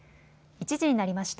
１時になりました。